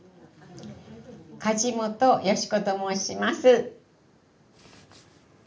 梶本淑子と申します」。